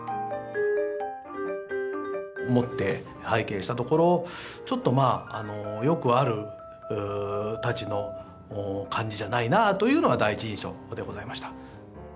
持って拝見したところちょっとまあよくある太刀の感じじゃないなというのが第一印象でございました。